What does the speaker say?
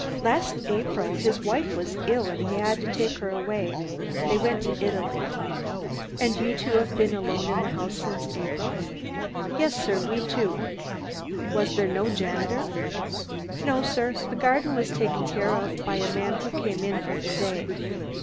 "Last April. His wife was ill and he had to take her away. They went to Italy." "And you two have been alone in the house since April?" "Yes, sir, we two." "Was there no janitor?" "No, sir. The garden was taken care of by a man who came in for the day."